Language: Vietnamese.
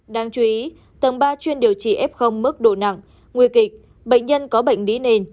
đáng chú ý tầng ba chuyên điều trị f mức độ nặng nguy kịch bệnh nhân có bệnh lý nền